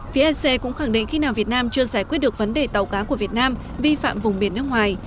phía ec cũng khẳng định khi nào việt nam chưa giải quyết được vấn đề tàu cá của việt nam vi phạm vùng biển nước ngoài